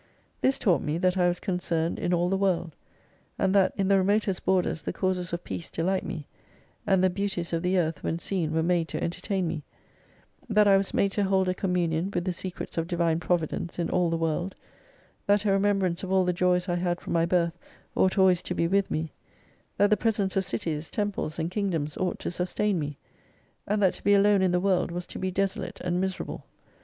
This taught me that I was concerned in all the world : and that in the remotest borders the causes of peace delight me, and the beauties of the earth when seen were made to entertain me : that I was made to hold a communion with the secrets of Divine Providence in all the world : that a remem brance of all the joys I had from my birth ought always to be with me : that the presence of Cities, Temples, and Kingdoms ought to sustain me, and that to be alone in the world was to be desolate and miserable.